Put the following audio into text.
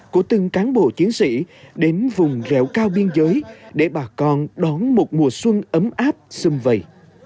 của từng cán bộ chiến sĩ đến vùng rẹo cao biên giới để bà con đón một mùa xuân ấm áp xung vầy